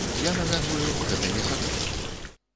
Я нагадваю, гэта не сакрэт.